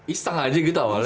iseng aja gitu awalnya